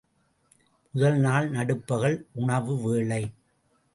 முதல் நாள் நடுப்பகல் உணவு வேளை.